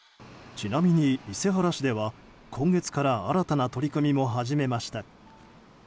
ちなみに、伊勢原市では今月から新たな取り組みも始めました。